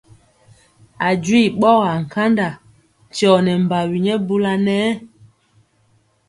A jwi ɓɔgaa nkanda tyɔ nɛ mbawi nyɛ bula nɛ.